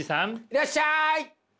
いらっしゃい！